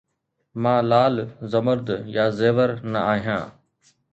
مان لعل، زمرد يا زيور نه آهيان